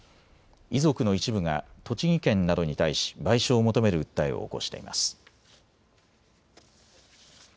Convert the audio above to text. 遺族の一部が栃木県などに対し賠償を求める訴えを起こしています。